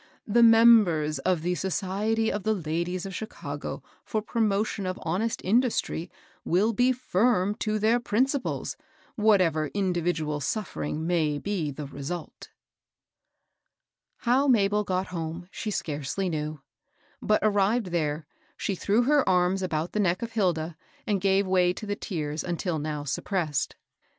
The members of the ' Society of the Ladies of Chicago for Promotion of Hon est Industry ' will be firm to their principles^ whatever individual suffering may be the result." How Mabel got home she scarcely k«ftw\\sQfeu^ 26 886 MABBii BOSS. arrived there, slie threw her arms about the neck of Hilda, and gave way to the tears until now sup pressed.